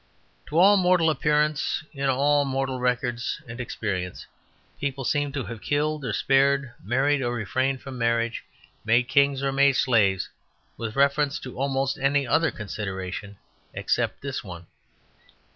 To all mortal appearance, in all mortal records and experience, people seem to have killed or spared, married or refrained from marriage, made kings or made slaves, with reference to almost any other consideration except this one.